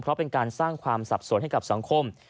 เพราะเป็นการสร้างความสับสนให้กับสังคม